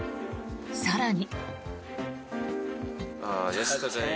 更に。